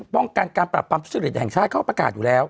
ป้องกันการปรับปรับทุกสิทธิฤทธิ์แห่งชาติเขาก็ประกาศอยู่แล้ว